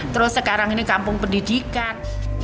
terus sekarang ini kampung pendidikan